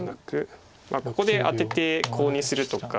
ここでアテてコウにするとか。